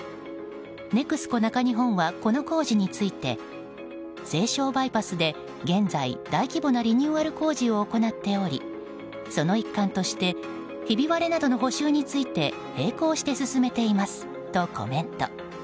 ＮＥＸＣＯ中日本はこの工事について西湘バイパスで現在大規模なリニューアル工事を行っており、その一環としてひび割れなどの補修について並行して進めていますとコメント。